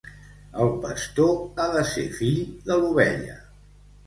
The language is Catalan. El pastor ha de ser fill de l'ovella.